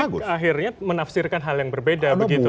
kan publik akhirnya menafsirkan hal yang berbeda begitu loh